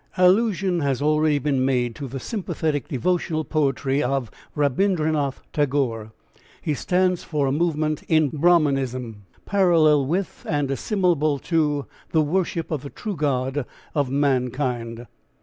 Allusion has already been made to the sympathetic devotional poetry of Rabindranath Tagore; he stands for a movement in Brahminism parallel with and assimilable to the worship of the true God of mankind.